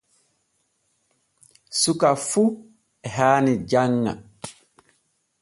Suka fu e haani janŋa.